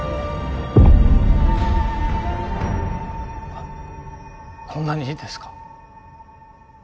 あっこんなにですか？